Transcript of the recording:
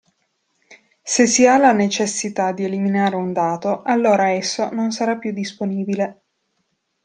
Se si ha la necessità di eliminare un dato, allora esso non sarà più disponibile.